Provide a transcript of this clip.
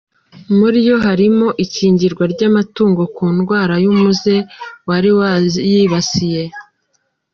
Muri yo harimo ikingirwa ry’amatungo ku ndwara y’umuze wari wayibasiye.